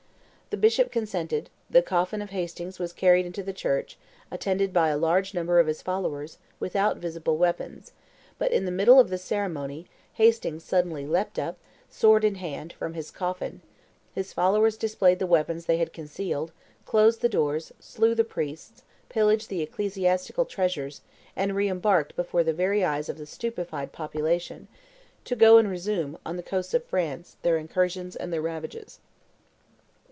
The bishop consented; the coffin of Hastings was carried into the church, attended by a large number of his followers, without visible weapons; but, in the middle of the ceremony, Hastings suddenly leaped up, sword in hand, from his coffin; his followers displayed the weapons they had concealed, closed the doors, slew the priests, pillaged the ecclesiastical treasures, and re embarked before the very eyes of the stupefied population, to go and resume, on the coasts of France, their incursions and their ravages.